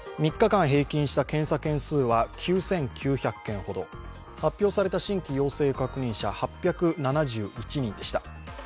３日間平均した検査件数は９９００件ほど発表された新規陽性確認者８７１人でした。